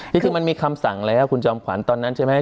นี่คือมันมีคำสั่งแล้วคุณจอมขวัญตอนนั้นใช่มั้ย